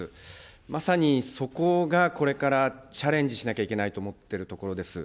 まさにそこが、これからチャレンジしなきゃいけないと思っているところです。